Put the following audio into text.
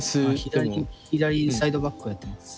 左左サイドバックをやってます。